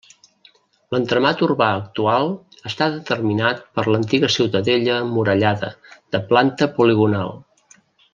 L'entramat urbà actual està determinat per l'antiga ciutadella emmurallada, de planta poligonal.